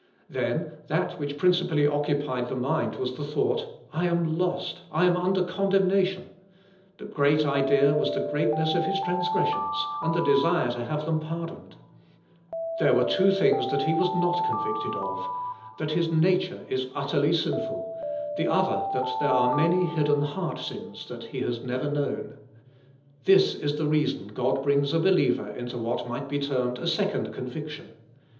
Then, that which principally occupied the mind was the thoug ht, "I am lost, I am under condemnation;" the g"reat idea was the g"reatness of his transg"res sions, and the desire to have them pardoned. There were two thing's that he was not convicted of: that 10 ^HK SPIRITUAL LIFK. his nature is utterly sinful, tlie other that there are many hidden heart sins, that he has never known. This is the reason God bring s a believer into what might be termed a second conviction.